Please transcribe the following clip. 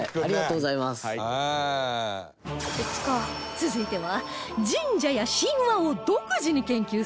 続いては